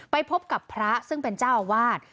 ไปพบกับพระซึ่งเป็นเจ้าอาวาส